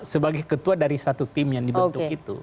sebagai ketua dari satu tim yang dibentuk itu